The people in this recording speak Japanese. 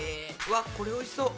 わっこれおいしそう。